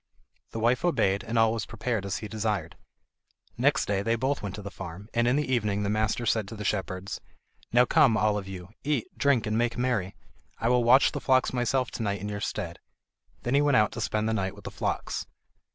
The wife obeyed, and all was prepared as he desired. Next day they both went to the farm, and in the evening the master said to the shepherds: "Now come, all of you, eat, drink, and make merry. I will watch the flocks myself to night in your stead." Then he went out to spend the night with the flocks.